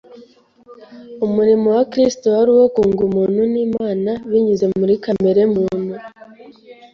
Umurimo wa Kristo wari uwo kunga umuntu n’Imana binyuze muri kamere muntu